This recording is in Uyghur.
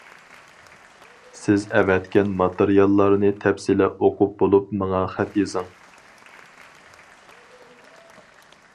سىز ئەۋەتكەن ماتېرىياللارنى تەپسىلە ئوقۇپ بولۇپ ماڭا خەت يېزىڭ.